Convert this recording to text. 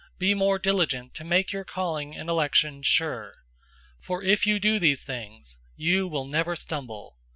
"} be more diligent to make your calling and election sure. For if you do these things, you will never stumble.